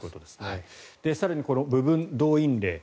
更に、この部分動員令。